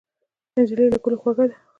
نجلۍ له ګلو خوږه ده.